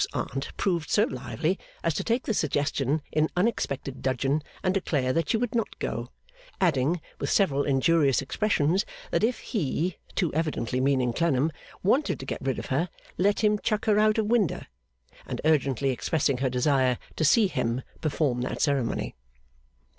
's Aunt proved so lively as to take the suggestion in unexpected dudgeon and declare that she would not go; adding, with several injurious expressions, that if 'He' too evidently meaning Clennam wanted to get rid of her, 'let him chuck her out of winder;' and urgently expressing her desire to see 'Him' perform that ceremony.